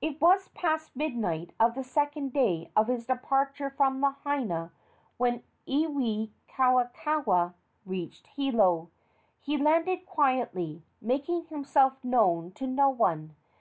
It was past midnight of the second day of his departure from Lahaina when Iwikauikaua reached Hilo. He landed quietly, making himself known to no one.